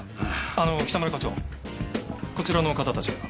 あの北村課長こちらの方たちが。